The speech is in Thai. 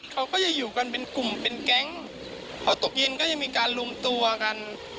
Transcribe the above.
เขาก็จะอยู่กันเป็นกลุ่มเป็นแก๊งพอตกเย็นก็ยังมีการรวมตัวกัน